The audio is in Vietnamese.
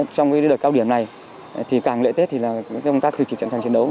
trong đợt cao điểm này thì càng lễ tết thì công tác thường trực sẵn sàng chiến đấu